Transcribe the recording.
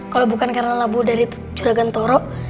kalau bukan karena labu dari juragan toro